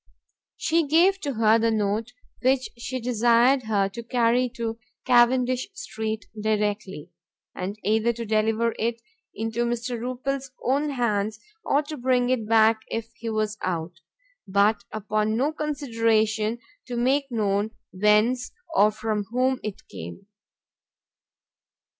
She gave to her the note, which she desired her to carry to Cavendish street directly, and either to deliver it into Mr. Rupil's own hands, or to bring it back if he was out; but upon no consideration to make known whence or from whom it came.